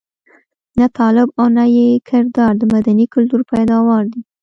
نه طالب او نه یې کردار د مدني کلتور پيداوار دي.